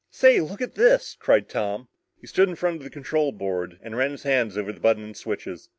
"Say look at this!" cried Tom. He stood in front of the control board and ran his hands over the buttons and switches.